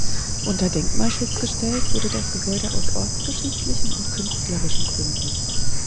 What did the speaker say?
Unter Denkmalschutz gestellt wurde das Gebäude aus ortsgeschichtlichen und künstlerischen Gründen.